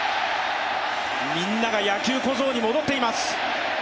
みんなが野球小僧に戻っています。